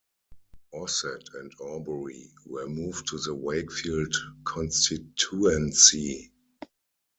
Ossett and Horbury were moved to the Wakefield constituency.